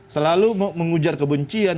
selalu mengujar kebencian